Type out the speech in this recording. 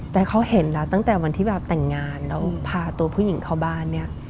แต่เขาเห็นแล้วตั้งแต่วันที่แบบแต่งงานแล้วพาตัวผู้หญิงเข้าบ้านเนี่ย